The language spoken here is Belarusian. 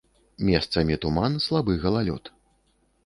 Месцамі туман, слабы галалёд.